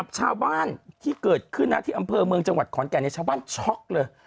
ชาวบ้านที่เกิดขึ้นนาทีอำเภอเมืองจังหวัดของจะนะจะบ้านช็อค